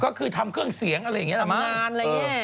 ก็คือทำเครื่องเสียงอะไรอย่างเงี้ย